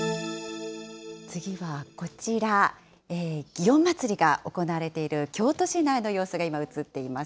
次はこちら、祇園祭が行われている京都市内の様子が今、映っています。